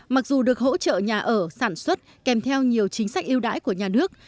mặc dù được hỗ trợ nhà ở sản xuất kèm theo nhiều chính sách yêu đãi của nhà nước